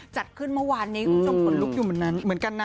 จัดขึ้นเมื่อวานนี้คุณผู้ชมขนลุกอยู่เหมือนกันนะ